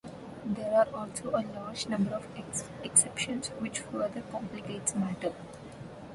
There are also a large number of exceptions, which further complicates matters.